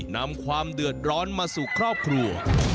นำความเดือดร้อนมาสู่ครอบครัว